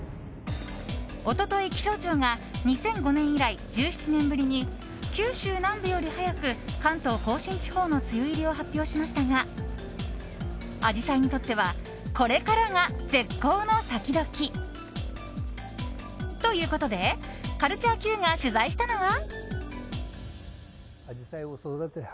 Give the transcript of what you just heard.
一昨日、気象庁が２００５年以来１７年ぶりに九州南部より早く関東・甲信地方の梅雨入りを発表しましたがアジサイにとってはこれからが絶好の咲き時。ということでカルチャーＱが取材したのは。